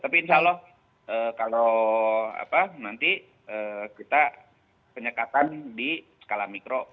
tapi insya allah kalau nanti kita penyekatan di skala mikro